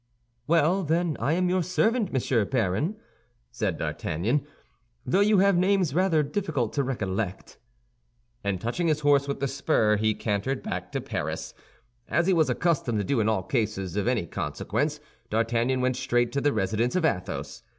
"Well, then, I am your servant, Monsieur Baron," said D'Artagnan, "though you have names rather difficult to recollect." And touching his horse with the spur, he cantered back to Paris. As he was accustomed to do in all cases of any consequence, D'Artagnan went straight to the residence of Athos.